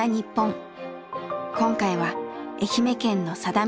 今回は愛媛県の佐田岬。